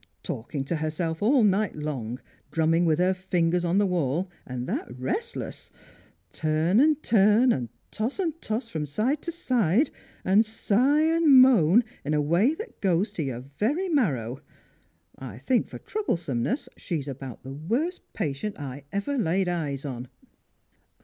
"Talking to herself all night long, drumming with her fingers on the wall, and that restless ! Turn and turn and toss and toss from side to side, and sigh and moan in a way that goes to your very marrow ! I think for troublesomeness she's about the worst patient I ever laid eyes on."